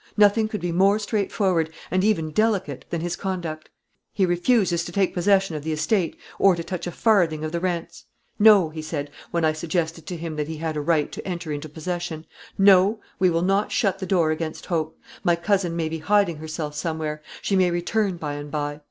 Nothing could be more straightforward, and even delicate, than his conduct. He refuses to take possession of the estate, or to touch a farthing of the rents. 'No,' he said, when I suggested to him that he had a right to enter in possession, 'no; we will not shut the door against hope. My cousin may be hiding herself somewhere; she may return by and by.